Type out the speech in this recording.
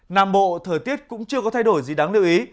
nam bộ thời tiết cũng chưa có thay đổi gì đáng lưu ý